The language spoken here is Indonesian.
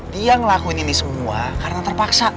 dia ngelakuin ini semua karena terpaksa